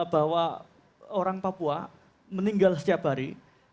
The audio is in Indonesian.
bahwa orang papua meninggal setiap hari